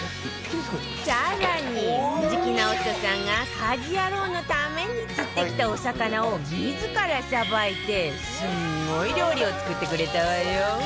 更に藤木直人さんが『家事ヤロウ！！！』のために釣ってきたお魚を自らさばいてすんごい料理を作ってくれたわよ